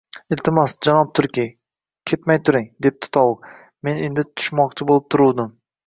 — Iltimos, janob Tulki, ketmay turing, — debdi Tovuq, — men endi tushmoqchi bo‘lib turuvdim